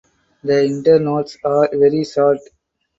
The internodes are very short.